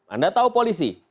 anda tahu polisi